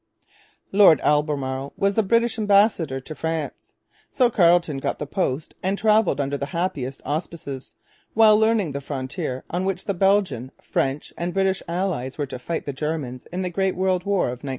Lord Albemarle was the British ambassador to France; so Carleton got the post and travelled under the happiest auspices, while learning the frontier on which the Belgian, French, and British allies were to fight the Germans in the Great World War of 1914.